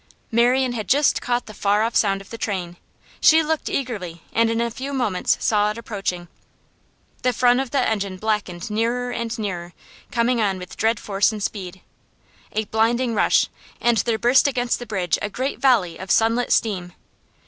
Marian had just caught the far off sound of the train. She looked eagerly, and in a few moments saw it approaching. The front of the engine blackened nearer and nearer, coming on with dread force and speed. A blinding rush, and there burst against the bridge a great volley of sunlit steam.